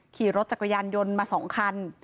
ขี่รถจักรยานยนต์มา๒คัน